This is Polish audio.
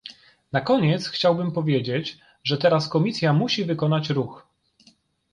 Na koniec chciałbym powiedzieć, że teraz Komisja musi wykonać ruch